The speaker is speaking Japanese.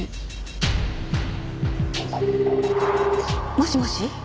もしもし？